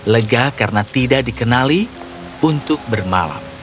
lega karena tidak dikenali untuk bermalam